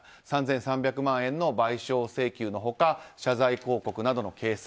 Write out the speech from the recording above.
３３００万円の賠償請求の他謝罪広告などの掲載。